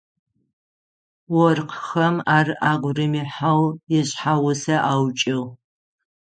Оркъхэм ар агу римыхьэу ишъхьагъусэ аукӏыгъ.